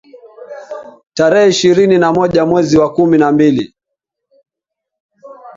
Tarehe ishirini na moja mwezi wa kumi na mbili